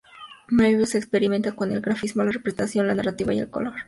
Moebius experimenta con el grafismo, la representación, la narrativa y el color.